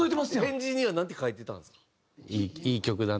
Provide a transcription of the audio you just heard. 返事にはなんて書いてたんですか？